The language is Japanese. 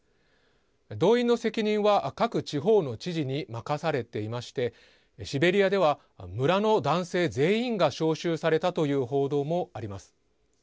動員の責任は各地方の知事に任されていましてシベリアでは、村の男性全員が招集されたという報道もあります。